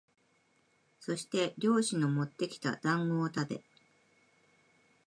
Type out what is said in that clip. そして猟師のもってきた団子をたべ、